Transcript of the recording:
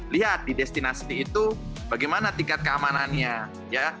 lihat di destinasi itu bagaimana tingkat keamanannya ya